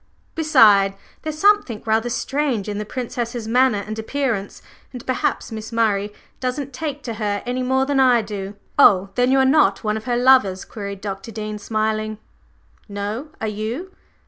Besides, there's something rather strange in the Princess's manner and appearance, and perhaps Miss Murray doesn't take to her any more than I do." "Oh, then you are not one of her lovers?" queried Dr. Dean smiling. "No; are you?"